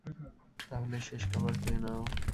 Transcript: তাহলে, শেষ খাবার খেয়ে নাও।